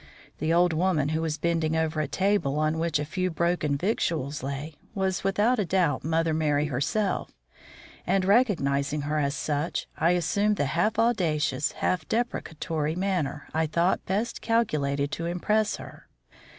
The old woman, who was bending over a table on which a few broken victuals lay, was, without doubt, Mother Merry herself; and, recognizing her as such, I assumed the half audacious, half deprecatory manner I thought best calculated to impress her.